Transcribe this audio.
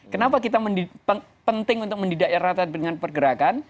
kenapa kita penting untuk mendidik rakyat dengan pergerakan